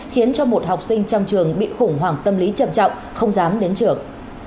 khiến cho một học sinh trong trường bị khủng hoảng tâm lý chậm chọc không dám đến trường